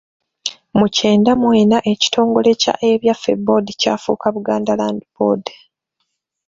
Mu kyenda mu ena ekitongole kya Ebyaffe Board kyafuukamu Buganda Land Board.